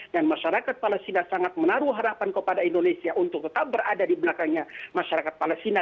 dan masyarakat palestina sangat menaruh harapan kepada indonesia untuk tetap berada di belakangnya masyarakat palestina